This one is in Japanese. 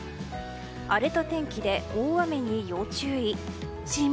荒れた天気で大雨に要注意。